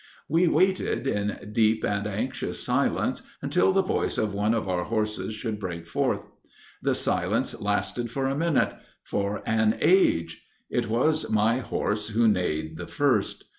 '" "We waited in deep and anxious silence until the voice of one of our horses should break forth. The silence lasted for a minute for an age! It was my horse who neighed the first.